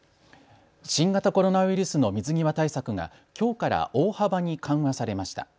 新型コロナウイルスの水際対策がきょうから大幅に緩和されました。